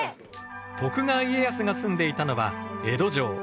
徳川家康が住んでいたのは江戸城。